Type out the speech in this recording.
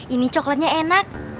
ini coklatnya enak